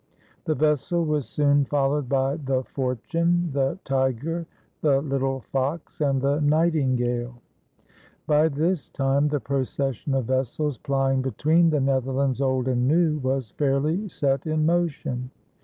The vessel was soon followed by the Fortune, the Tiger, the Little Fox, and the Nightingale. By this time the procession of vessels plying between the Netherlands Old and New was fairly set in motion.